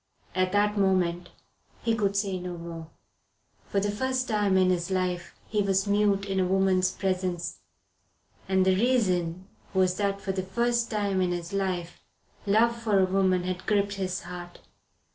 At that moment he could not say more. For the first time in his life he was mute in a woman's presence; and the reason was that for the first time in his life love for a woman had gripped his heart.